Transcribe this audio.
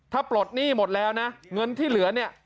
ถ้าปลดหนี้หมดแล้วนะเงินที่เหลือเนี่ย